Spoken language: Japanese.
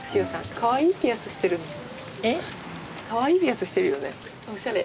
かわいいピアスしてるよねおしゃれ。